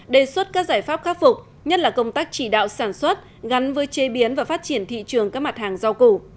đề xuất các giải pháp khắc phục nhất là công tác chỉ đạo sản xuất gắn với chế biến và phát triển thị trường các mặt hàng rau củ